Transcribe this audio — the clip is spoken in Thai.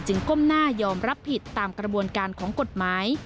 ก้มหน้ายอมรับผิดตามกระบวนการของกฎหมาย